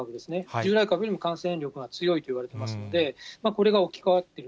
従来株よりも感染力が強いといわれていますので、これが置き換わってる。